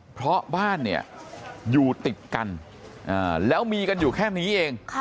เพราะบ้านเนี่ยอยู่ติดกันแล้วมีกันอยู่แค่นี้เอง